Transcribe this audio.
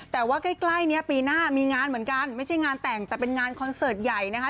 แต่ว่าใกล้นี้ปีหน้ามีงานเหมือนกันไม่ใช่งานแต่งแต่เป็นงานคอนเสิร์ตใหญ่นะคะ